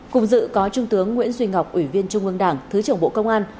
cùng dự có trung tướng nguyễn duy ngọc ủy viên trung ương đảng thứ trưởng bộ công an